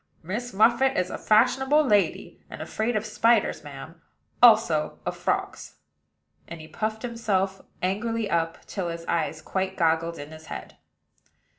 "Miss Muffit is a fashionable lady, and afraid of spiders, madam; also of frogs." And he puffed himself angrily up, till his eyes quite goggled in his head.